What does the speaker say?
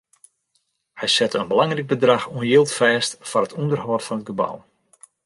Hy sette in belangryk bedrach oan jild fêst foar it ûnderhâld fan it gebou.